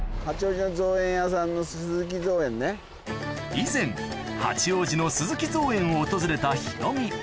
以前八王子の鈴木造園を訪れたヒロミ